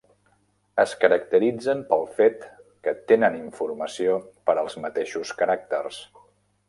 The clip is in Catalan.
Es caracteritzen pel fet que tenen informació per als mateixos caràcters.